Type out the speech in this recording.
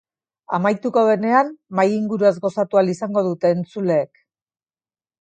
Amaituko denean, mahai inguruaz gozatu ahal izango dute entzuleek.